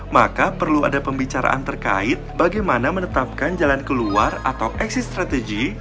maka perlu ada pembicaraan terkait bagaimana menetapkan jalan keluar atau exit strategy